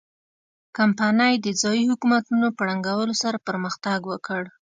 کمپنۍ د ځايي حکومتونو په ړنګولو سره پرمختګ وکړ.